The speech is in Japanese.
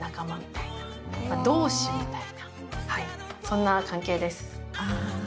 そんな関係です。